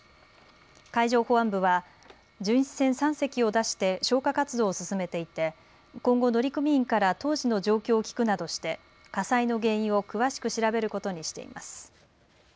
海上保安部は巡視船３隻を出して消火活動を進めていて今後乗組員から当時の状況を聞くなどして火災の原因を詳しく調べることにしています。